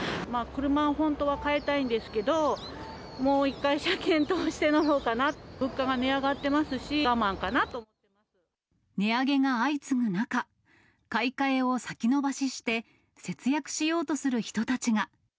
車を本当は買い替えたいんですけど、もう一回車検通してのほうかな、値上げが相次ぐ中、買い替えを先延ばしして、節約しようとする人たちが。